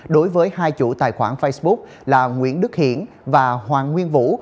đối với hai chủ tài khoản facebook là nguyễn đức hiển và hoàng nguyên vũ